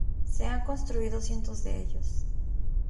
Se han construido cientos de ello.